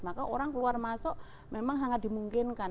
maka orang keluar masuk memang sangat dimungkinkan